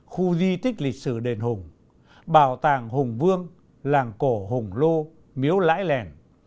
khu di tích lịch sử đền hùng bảo tàng hùng vương làng cổ hùng lô miếu lãi lèn